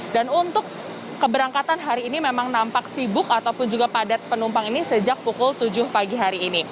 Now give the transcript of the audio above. dan untuk keberangkatan hari ini memang nampak sibuk ataupun juga padat penumpang ini sejak pukul tujuh pagi hari ini